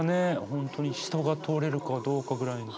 本当に人が通れるかどうかぐらいの。